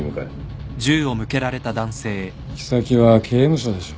行き先は刑務所でしょ。